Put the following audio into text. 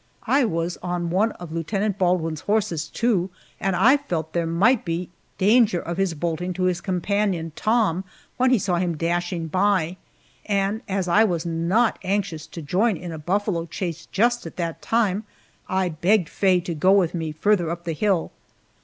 I was on one of Lieutenant Baldwin's horses, too, and I felt that there might be danger of his bolting to his companion, Tom, when he saw him dashing by, and as I was not anxious to join in a buffalo chase just at that time, I begged Faye to go with me farther up the hill.